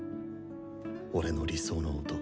俺の理想の音。